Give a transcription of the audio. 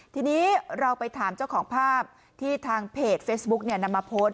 ทีนี้เราไปถามเจ้าของภาพที่ทางเพจเฟซบุ๊กนำมาโพสต์